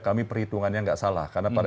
kami perhitungannya nggak salah karena